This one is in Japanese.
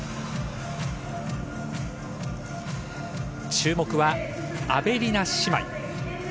注目はアベリナ姉妹。